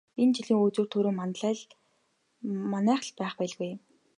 Энэ жилийн үзүүр түрүү манайх л байх байлгүй.